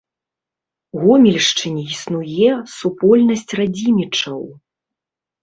Гомельшчыне існуе супольнасць радзімічаў.